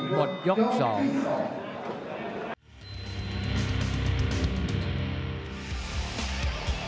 หมดยก๒